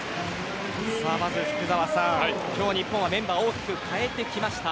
まず福澤さん、日本はメンバーを大きく変えてきました。